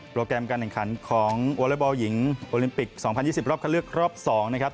แกรมการแข่งขันของวอเล็กบอลหญิงโอลิมปิก๒๐๒๐รอบคันเลือกรอบ๒นะครับ